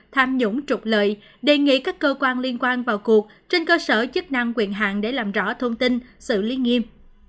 tham nhũng trục lợi đề nghị các cơ quan liên quan vào cuộc trên cơ sở chức năng quyền hạng để làm rõ thông tin xử lý nghiêm